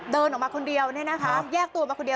เดินออกมาคนเดียวแยกตัวมาคนเดียว